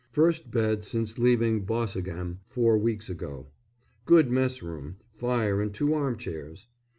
First bed since leaving Boseghem four weeks ago. Good mess room, fire and two arm chairs.